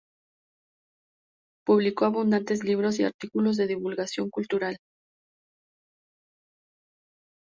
Publicó abundantes libros y artículos de divulgación cultural.